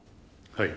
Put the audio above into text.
はい。